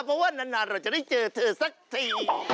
เพราะว่านานเราจะได้เจอเธอสักที